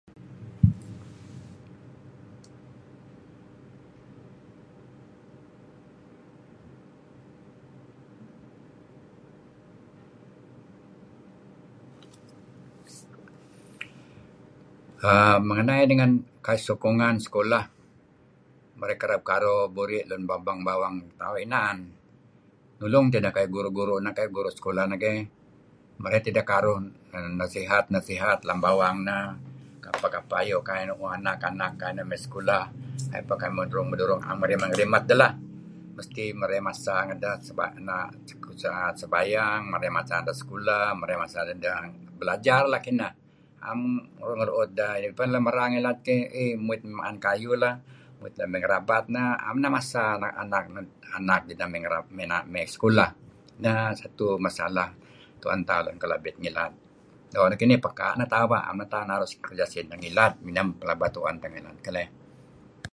err Mengenai dengan sokongan sekolah uh kereb buri bang bawang tauh inan. Nulung tideh kayu' guru'-guru' neh keh, merey tideh karuh nasihat-nasihat lem bawang neh, kapeh-kapeh ayu' kai mu'uh anak-anak kai mey sekulah, kai mendorong-mendorong , am ngerimet-ngerimet deh lah. Mesti merey masa ngedah na' sebayang, merey masa deh sekulah, merey masa deh belajar lah kineh, na'em ngeruut-ngeruut. Ngilad keh eh muit mey ma'en kayuh lah. muit deh mey ngerabat . neh 'am neh masa anak deh neh mey sekulah. Neh satu masaalah tu'en tauh lun Kelabit ngilad. Doo' neh kinih pekaa' neh tauh bah, 'am neh tauh naru' kerja sineh, ngilad neh pelaba tu'en tauh keleh.